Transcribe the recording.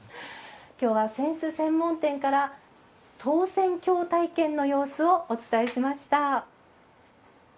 きょうは扇子専門店から投扇興体験の様子をお伝えしました。